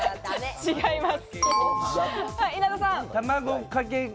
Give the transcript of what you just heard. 違います。